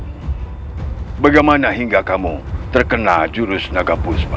hai bagaimana hingga kamu terkena jurus naga puspa